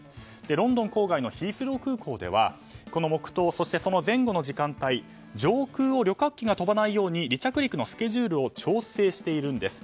ロンドン郊外のヒースロー空港ではこの黙祷、そして前後の時間帯に上空を旅客機が飛ばないように離着陸のスケジュールを調整しているんです。